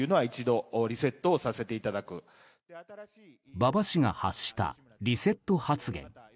馬場氏が発したリセット発言。